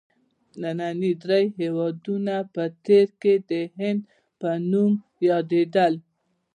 ننني درې هېوادونه په تېر کې د هند په نوم یادیدل.